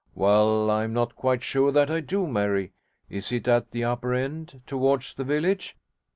'Well, I'm not quite sure that I do, Mary. Is it at the upper end, towards the village?'